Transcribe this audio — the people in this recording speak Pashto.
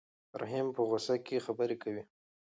رحیم په غوسه کې خبرې کوي.